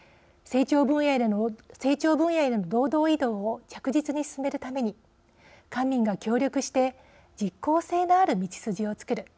成長分野への労働移動を着実に進めるために官民が協力して実効性のある道筋を作る。